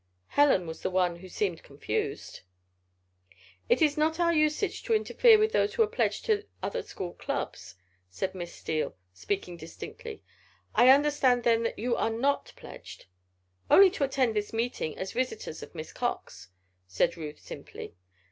Helen was the one who seemed confused. "It is not our usage to interfere with those who are pledged to other school clubs," said Miss Steele, speaking distinctly. "I understand, then, that you are not pledged?" "Only to attend this meeting as visitors of Miss Cox," said Ruth, simply.